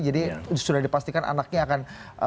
jadi sudah dipastikan anaknya akan